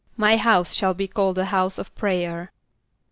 ="My house shall be called a house of prayer."